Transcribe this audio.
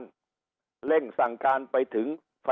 ช่วยเร่งสั่งการไปถึงธนาคาร